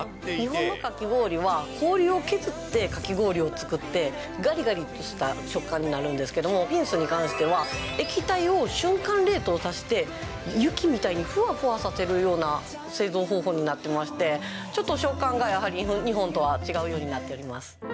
日本のかき氷を氷を削ってかき氷を作って、がりがりとした食感になるんですけども、ピンスに関しては、液体を瞬間冷凍させて、雪みたいにふわふわさせるような製造方法になってまして、ちょっと食感が、やはり日本とは違うようになっております。